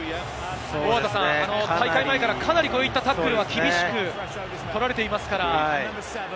大会前から、かなりこういったタックルは厳しく取られていますから。